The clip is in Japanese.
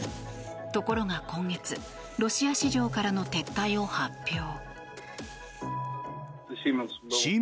ところが今月ロシア市場からの撤退を発表。